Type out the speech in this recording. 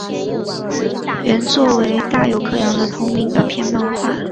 原作为大友克洋的同名短篇漫画。